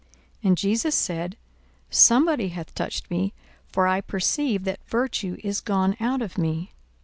42:008:046 And Jesus said, Somebody hath touched me: for I perceive that virtue is gone out of me.